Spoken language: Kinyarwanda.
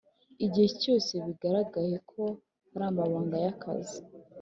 Igihe cyose bigaragaye ko haramabanga ya kazi